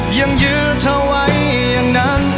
ยังยืดเธอไว้อย่างนั้น